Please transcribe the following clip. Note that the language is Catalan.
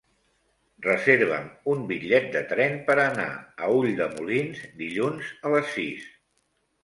Reserva'm un bitllet de tren per anar a Ulldemolins dilluns a les sis.